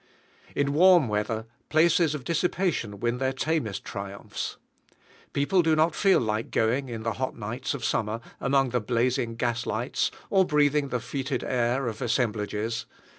In warm weather, places of dissipation win their tamest triumphs. People do not feel like going, in the hot nights of summer, among the blazing gas lights, or breathing the fetid air of assemblages.